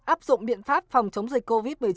áp dụng biện pháp phòng chống dịch covid một mươi chín